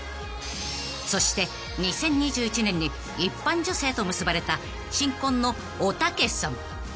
［そして２０２１年に一般女性と結ばれた新婚のおたけさん］